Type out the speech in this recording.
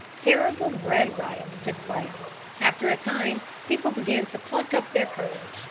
Terrible bread riots took place. After a time people began to pluck up their courage.